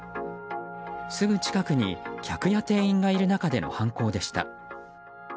すぐ近くに客や店員がいる中での犯行でした。